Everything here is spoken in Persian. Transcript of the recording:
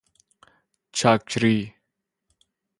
چاکری